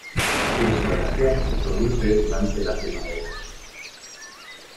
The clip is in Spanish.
La floración se produce durante la primavera.